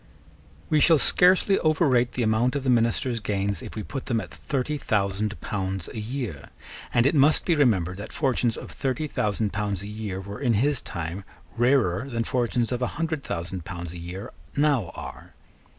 We shall scarcely overrate the amount of the minister's gains, if we put them at thirty thousand pounds a year: and it must be remembered that fortunes of thirty thousand pounds a year were in his time rarer than fortunes of a hundred thousand pounds a year now are.